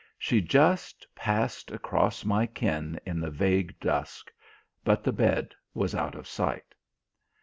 She just passed across my ken in the vague dusk; but the bed was out of sight.